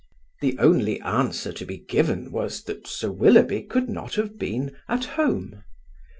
The only answer to be given was, that Sir Willoughby could not have been at home.